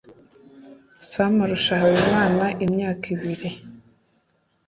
sam arusha habimana imyaka ibiri